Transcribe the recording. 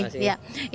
ya terima kasih